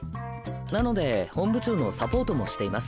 なので本部長のサポートもしています。